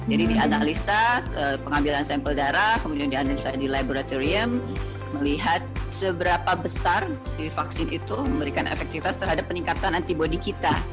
jadi di analisa pengambilan sampel darah kemudian di analisa di laboratorium melihat seberapa besar vaksin itu memberikan efektivitas terhadap peningkatan antibody kita